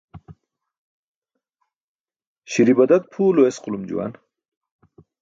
Śi̇ri̇ badat pʰuw lo esqulum juwan.